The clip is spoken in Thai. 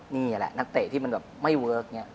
นี่แหละนักเตะที่มันแบบไม่เวิร์ค